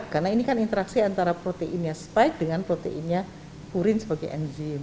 karena ini kan interaksi antara proteinnya spike dengan proteinnya purin sebagai enzim